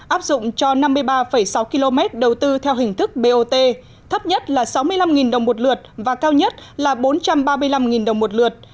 áp dụng cho năm mươi ba sáu km đầu tư theo hình thức bot thấp nhất là sáu mươi năm đồng một lượt và cao nhất là bốn trăm ba mươi năm đồng một lượt